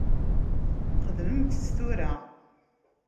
Xedmemt-t tura.